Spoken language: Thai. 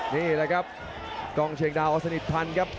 นี่แหละครับกล้องเชียงดาวอสนิทพันธ์ครับ